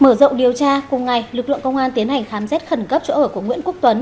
mở rộng điều tra cùng ngày lực lượng công an tiến hành khám xét khẩn cấp chỗ ở của nguyễn quốc tuấn